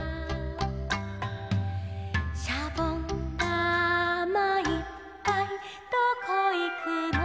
「しゃぼんだまいっぱいどこいくの」